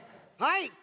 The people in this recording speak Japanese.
はい。